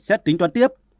sẽ tính toán tiếp